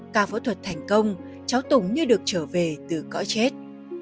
ca phẫu thuật thành công cháu tùng như được trở về từ cõi chết